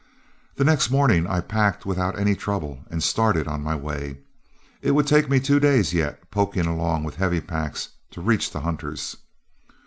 The next morning I packed without any trouble and started on my way. It would take me two days yet, poking along with heavy packs, to reach the hunters.